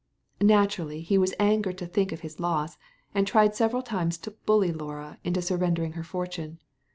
Naturally he was angered to think of his loss, and tried several times to bully Laura into surrendering her fortune.